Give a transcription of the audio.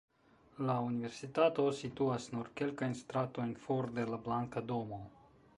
La universitato situas nur kelkajn stratojn for de la Blanka Domo.